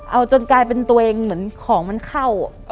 เอาจนกลายเป็นตัวเองเหมือนของมันเข้า